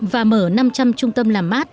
và mở năm trăm linh trung tâm làm mát